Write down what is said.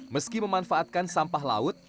meski memanfaatkan sampah laut